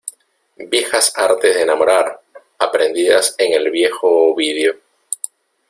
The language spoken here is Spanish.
¡ viejas artes de enamorar, aprendidas en el viejo Ovidio!